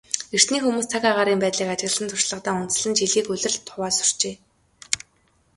Эртний хүмүүс цаг агаарын байдлыг ажигласан туршлагадаа үндэслэн жилийг улиралд хувааж сурчээ.